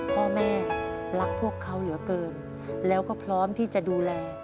พ่อแม่รักพวกเขาเหลือเกินแล้วก็พร้อมที่จะดูแล